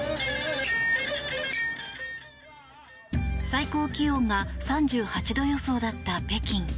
最高気温が３８度予想だった北京。